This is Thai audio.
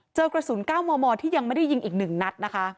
เจอกระสุนก้าวมอที่ยังไม่ได้ยิงอีกหนึ่งนัด